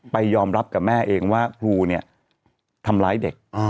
ยอมรับกับแม่เองว่าครูเนี่ยทำร้ายเด็ก